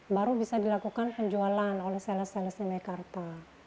baru bisa dilakukan penjualan oleh sales salesnya mekarta